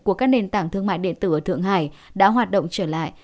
của các nền tảng thương mại điện tử ở thượng hải đã hoạt động trở lại